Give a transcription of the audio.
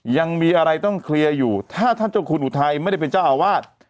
ยังมีอะไรต้องเคลียร์อยู่ถ้าท่านเจ้าคุณอุทัยไม่ได้เป็นเจ้าอาวาส